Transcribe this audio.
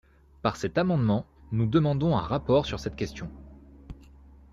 Par cet amendement, nous demandons un rapport sur cette question.